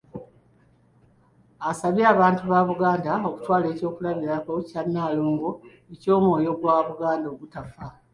Asabye abantu ba Buganda okutwala eky’okulabirako kya Nalongo eky’omwoyo gwa Buganda ogutafa.